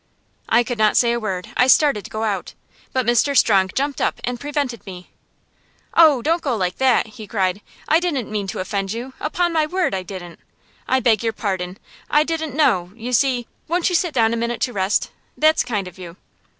I could not say a word. I started to go out. But Mr. Strong jumped up and prevented me. "Oh, don't go like that!" he cried. "I didn't mean to offend you; upon my word, I didn't. I beg your pardon. I didn't know you see Won't you sit down a minute to rest? That's kind of you."